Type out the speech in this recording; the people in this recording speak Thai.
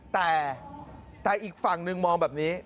แต่อีกฝั่งหนึ่งมองแบบนี้